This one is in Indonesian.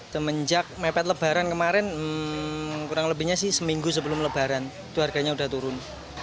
semenjak mepet lebaran kemarin kurang lebihnya sih seminggu sebelum lebaran itu harganya sudah turun